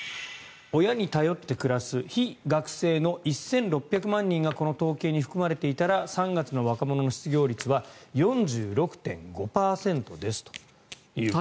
親に頼って暮らす非学生の１６００万人がこの統計に含まれていたら３月の若者の失業率は４６．５％ですということです。